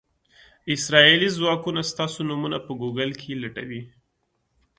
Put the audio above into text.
اسرائیلي ځواکونه ستاسو نومونه په ګوګل کې لټوي.